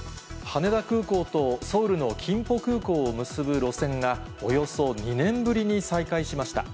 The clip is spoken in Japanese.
羽田空港とソウルのキンポ空港を結ぶ路線がおよそ２年ぶりに再開しました。